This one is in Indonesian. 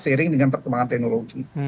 sering dengan perkembangan teknologi